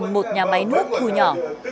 cho mình một nhà máy nước khu nhỏ